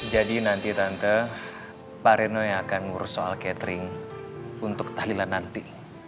jadi nanti tante pak reno yang akan urus soal catering untuk tahlilan nanti